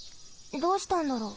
どうしたんだろう。